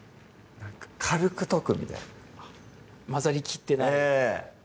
軽く溶くみたいな混ざりきってないええ